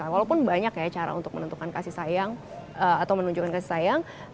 walaupun banyak ya cara untuk menentukan kasih sayang atau menunjukkan kasih sayang